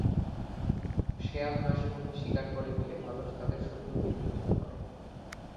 শেয়াল হাঁস-মুরগি শিকার করে বলে মানুষ তাদের শত্রু বলে বিবেচনা করে।